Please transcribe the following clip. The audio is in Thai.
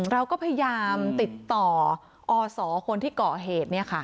เราก็พยายามติดต่ออสคนที่เกาะเหตุเนี่ยค่ะ